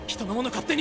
勝手に！